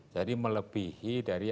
jadi melebihi dari apa